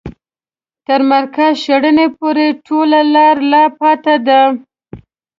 تر مرکز شرنې پوري ټوله لار لا پاته ده.